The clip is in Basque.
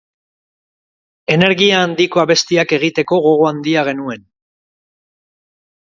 Energia handiko abestiak egiteko gogo handia genuen.